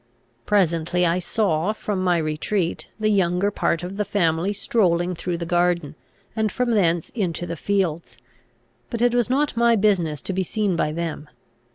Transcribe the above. Presently I saw, from my retreat, the younger part of the family strolling through the garden, and from thence into the fields; but it was not my business to be seen by them.